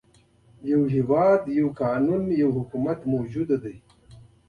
يو هېواد، یو قانون او یو حکومت موجود دی.